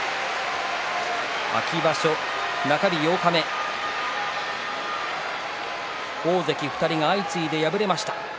秋場所、中日八日目大関２人が相次いで敗れました。